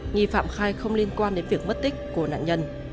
nghi phạm khai không liên quan đến việc mất tích của nạn nhân